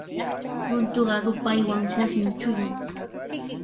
Runtuqa rupaywan sasmi chullun.